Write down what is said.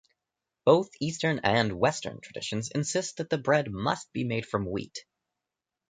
Both Eastern and Western traditions insist that the bread must be made from wheat.